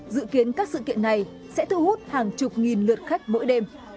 dự kiến các sự kiện này sẽ thu hút hàng chục nghìn lượt khách mỗi đêm